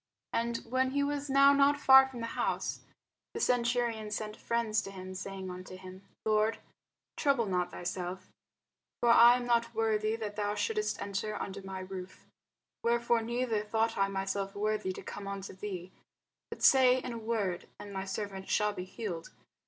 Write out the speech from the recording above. And when he was now not far from the house, the centurion sent friends to him, saying unto him, Lord, trouble not thyself: for I am not worthy that thou shouldest enter under my roof: wherefore neither thought I myself worthy to come unto thee: but say in a word, and my servant shall be healed.